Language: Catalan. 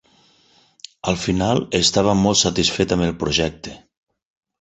Al final, estava molt satisfet amb el projecte.